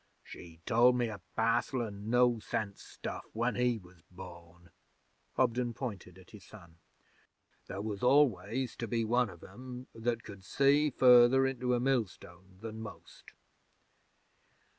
'She told me a passel o' no sense stuff when he was born.' Hobden pointed at his son. 'There was always to be one of 'em that could see further into a millstone than most.'